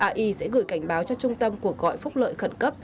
ai sẽ gửi cảnh báo cho trung tâm cuộc gọi phúc lợi khẩn cấp